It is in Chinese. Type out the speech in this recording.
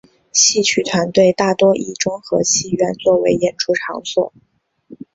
戏曲团体大多以中和戏院作为演出场所。